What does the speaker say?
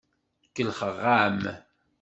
Kellxeɣ-am.